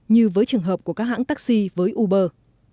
như với trường hợp của các hãng taxi với uber